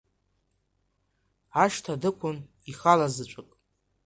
Ашҭа дықәын ихалазаҵәык.